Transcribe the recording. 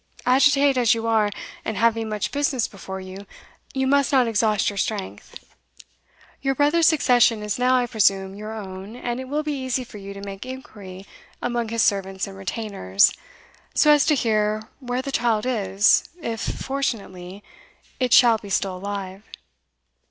Agitated as you are, and having much business before you, you must not exhaust your strength. Your brother's succession is now, I presume, your own, and it will be easy for you to make inquiry among his servants and retainers, so as to hear where the child is, if, fortunately, it shall be still alive."